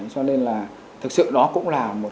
cho nên là thực sự đó cũng là một